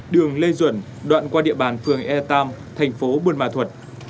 đường lê duẩn đoạn qua địa bàn phường ia tam thành phố bùn ma thuật